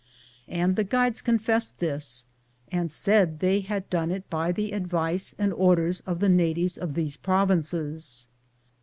And the guides confessed this, and said they had done it by the advice and orders of the na tives of these provinces.